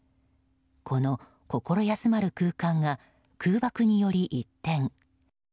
この心休まる空間が空爆により一転。